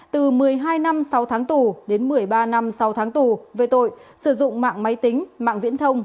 từ một mươi hai năm sáu tháng tù đến một mươi ba năm sáu tháng tù về tội sử dụng mạng máy tính mạng viễn thông